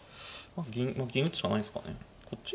銀打つしかないんすかねこっち？